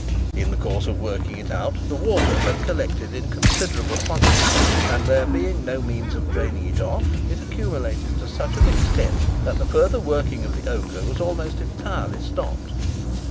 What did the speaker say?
In the course of working it out, the water had collected in considerable quantities; and there being no means of draining it off, it accumulated to such an extent that the further working of the ochre was almost entirely stopped.